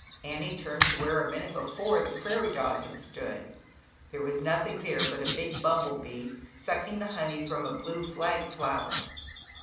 1 wvS Annie turned to where a minute before, the prairie dog had stood, there was nothing there but a big bumble bee sucking the honev from a blue fla flower.